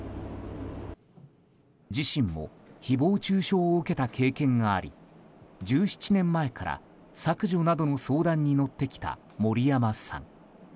自身も誹謗中傷を受けた経験があり１７年前から削除などの相談に乗ってきた森山さん。